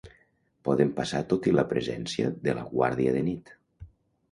Poden passar tot i la presència de la Guàrdia de Nit.